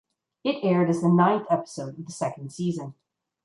It aired as the ninth episode of the second season.